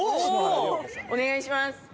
お願いします。